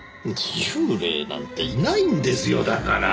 幽霊なんていないんですよだから。